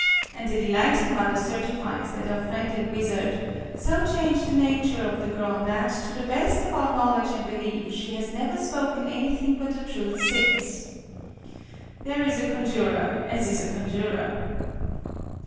And the delighted mother certifies that our friend and wizard "so changed the nature of the girl that, to the best of our knowledge and belief, she has never spoken anything but the truth since." There is a conjurer "as is a conjurer."